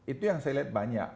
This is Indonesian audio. itu yang saya lihat banyak